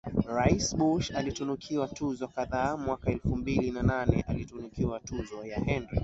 rais Bush alitunukiwa tuzo kadhaa Mwaka elfu mbili na nane alitunukiwa tuzo ya Henry